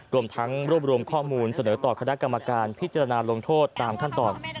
รวมทั้งรวบรวมข้อมูลเสนอต่อคณะกรรมการพิจารณาลงโทษตามขั้นตอน